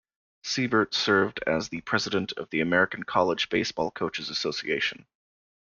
Siebert served as the president of the American College Baseball Coaches Association.